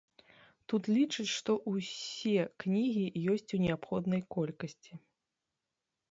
Тут лічаць, што ўсе кнігі ёсць у неабходнай колькасці.